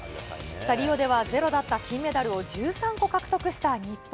リオではゼロだった金メダルを１３個獲得した日本。